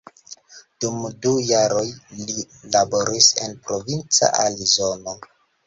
Dum du jaroj li laboris en provinca Arizono.